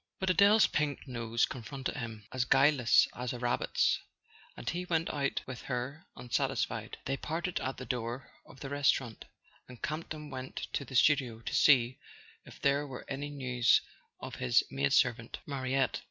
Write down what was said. But Adele's pink nose confronted him, as guileless as a rabbit's, and he went out with her unsatisfied. They parted at the door of the restaurant, and Camp ton went to the studio to see if there were any news of his maid servant Mariette.